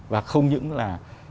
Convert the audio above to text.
và không những là